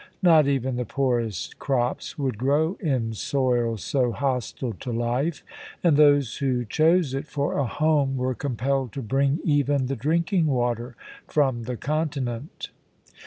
Not even the poorest crops would grow in soil so hostile to life, and those who chose it for a home were compelled to bring even the drinking water from the continent.